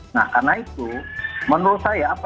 nah karena itu menurut saya apa